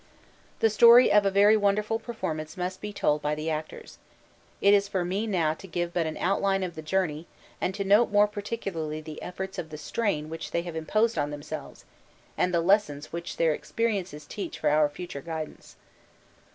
The story of a very wonderful performance must be told by the actors. It is for me now to give but an outline of the journey and to note more particularly the effects of the strain which they have imposed on themselves and the lessons which their experiences teach for our future guidance.